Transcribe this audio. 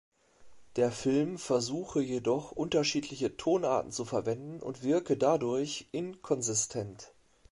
Der Film versuche jedoch, unterschiedliche Tonarten zu verwenden und wirke dadurch „inkonsistent“.